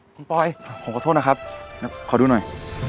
คุณปอยผมขอโทษนะครับขอดูหน่อย